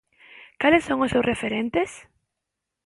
Cales son os seus referentes?